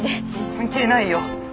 関係ないよ。